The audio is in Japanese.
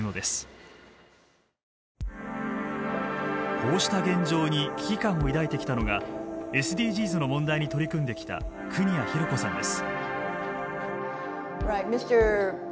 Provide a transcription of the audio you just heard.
こうした現状に危機感を抱いてきたのがＳＤＧｓの問題に取り組んできた国谷裕子さんです。